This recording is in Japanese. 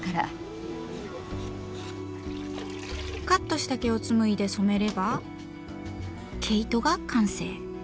カットした毛をつむいで染めれば毛糸が完成。